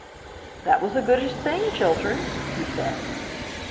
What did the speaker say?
"That was a goodish thing, Chiltern," he said.